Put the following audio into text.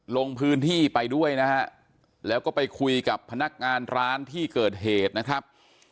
ลงพื้นที่ไปด้วยนะฮะแล้วก็ไปคุยกับพนักงานร้านที่เกิดเหตุนะครับ